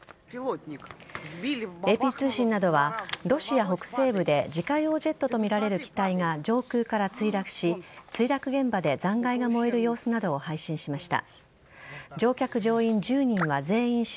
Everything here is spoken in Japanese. ＡＰ通信などはロシア北西部で自家用ジェットとみられる機体が上空から墜落し墜落現場で残骸が燃える様子などを配信しました。